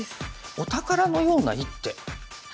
「お宝のような一手」？